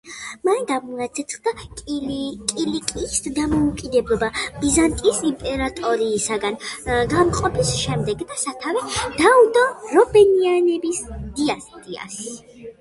მან გამოაცხადა კილიკიის დამოუკიდებლობა ბიზანტიის იმპერიისგან გამოყოფის შემდეგ და სათავე დაუდო რუბენიანების დინასტიას.